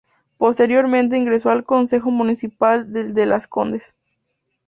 Posteriormente ingresó al Concejo Municipal de Las Condes.